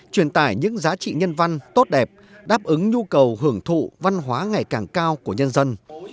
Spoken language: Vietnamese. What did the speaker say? truyền tải những giá trị nhân văn tốt đẹp đáp ứng nhu cầu hưởng thụ văn hóa ngày càng cao của nhân dân